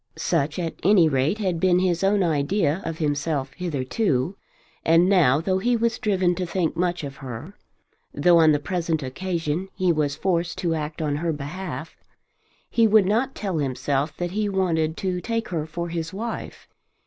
Such, at any rate, had been his own idea of himself hitherto; and now, though he was driven to think much of her, though on the present occasion he was forced to act on her behalf, he would not tell himself that he wanted to take her for his wife.